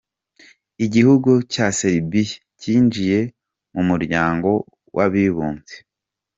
Igihugu cya Serbia cyinjiye mu muryango w’abibumbye.